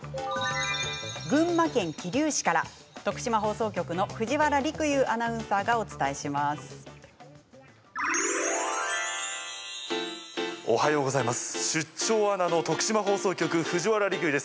群馬県桐生市から徳島放送局の藤原陸遊アナウンサーがお伝えします。